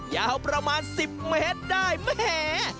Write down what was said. ยาวประมาณสิบเมตรได้แม่